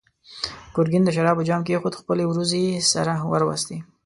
ګرګين د شرابو جام کېښود، خپلې وروځې يې سره وروستې.